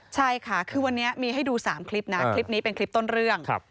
ใช่ค่ะคือวันนี้มีให้ดู๓คลิปนะคลิปนี้เป็นคลิปต้นเรื่อง